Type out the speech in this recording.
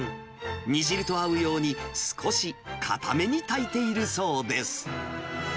煮汁と合うように、少し硬めに炊いているそうです。